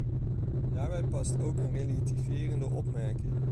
Daarbij past ook een relativerende opmerking.